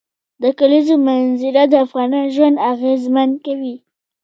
د کلیزو منظره د افغانانو ژوند اغېزمن کوي.